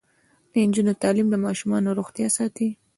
د نجونو تعلیم د ماشومانو روغتیا ساتي.